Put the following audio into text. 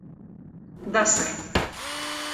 Да, сэр